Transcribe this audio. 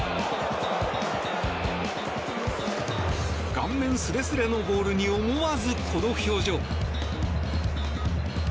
顔面すれすれのボールに思わずこの表情。